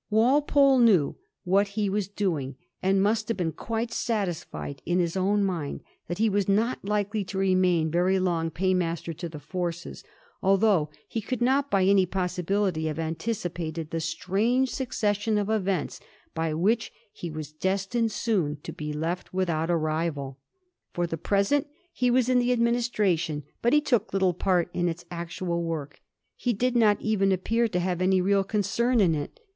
Walpole knew what he was doing, and must have been quite satisfied in his own mind that he was not likely to remain very long paymaster to the forces, although he could not by any possibility have anticipated the strange succes sion of events by which he was destined soon to be left without a rival. For the present he was in the administration, but he took little part in its actual work. He did not even appear to have any real concern in it.